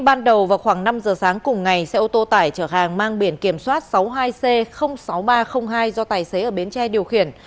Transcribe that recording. ban đầu vào khoảng năm giờ sáng cùng ngày xe ô tô tải chở hàng mang biển kiểm soát sáu mươi hai c sáu nghìn ba trăm linh hai do tài xế ở bến tre điều khiển